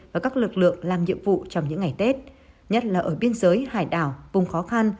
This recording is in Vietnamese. và các lực lượng làm nhiệm vụ trong những ngày tết nhất là ở biên giới hải đảo vùng khó khăn